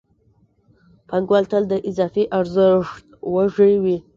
پانګوال تل د اضافي ارزښت وږی وي